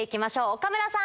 岡村さん。